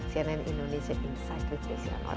sianen indonesia inside with desi anwar